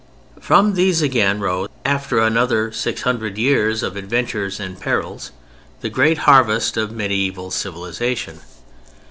From these again rose, after another 600 years of adventures and perils, the great harvest of mediæval civilization.